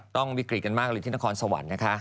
วิกฤตกันมากเลยที่นครสวรรค์นะคะ